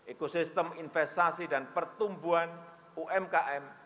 ekosistem investasi dan pertumbuhan umkm